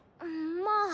まあ。